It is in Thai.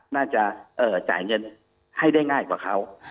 น่าจะจ่ายเงินให้ได้ง่ายกว่าเขา